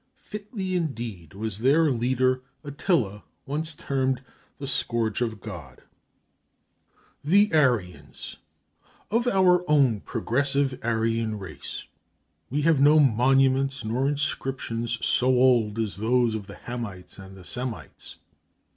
Fitly, indeed, was their leader Attila once termed "the Scourge of God." [Footnote 7: See Prince Jimmu, page 140.] THE ARYANS Of our own progressive Aryan race, we have no monuments nor inscriptions so old as those of the Hamites and the Semites.